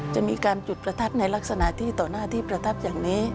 จะมีการจุดประทัดในลักษณะที่ต่อหน้าที่ประทับอย่างนี้